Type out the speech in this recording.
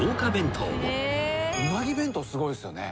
うなぎ弁当すごいですよね。